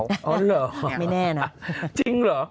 อ๋อเหรอไม่แน่นะไม่แน่นะจริงเหรอ